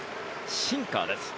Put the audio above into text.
シンカーです。